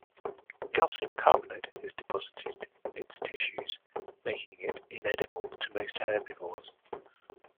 Calcium carbonate is deposited in its tissues, making it inedible to most herbivores.